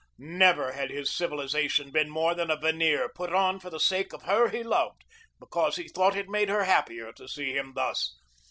Never had his civilization been more than a veneer put on for the sake of her he loved because he thought it made her happier to see him thus.